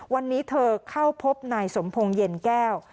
วันนี้เธอเข้าพบนายสมพงศ์เย็นแก้ว